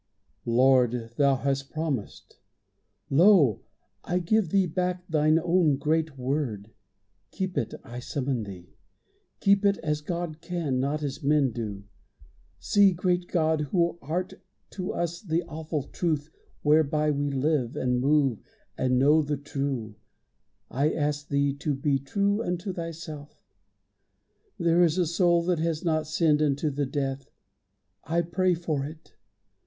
Lord, Thou hast promised. Lo! I give Thee back Thine own great Word. Keep it. I summon Thee. Keep it as God can, not as men do. See, Great God! who art to us the awful Truth Whereby we live, and move, and know the true I ask Thee to be true unto Thyself. There is a soul that has not sinned unto The death. I pray for it.